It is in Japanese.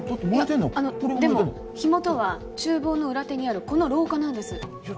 あのでも火元は厨房の裏手にあるこの廊下なんです